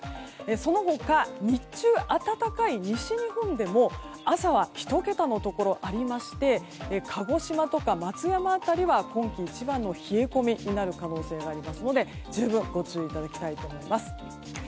その他、日中暖かい西日本でも朝は１桁のところありまして鹿児島とか松山辺りは今季一番の冷え込みになる可能性がありますので十分ご注意いただきたいと思います。